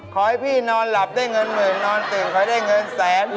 ขอให้พี่นอนหลับได้เงินหมื่นนอนตื่นขอให้ได้เงินแสน